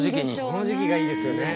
この時期がいいですよね。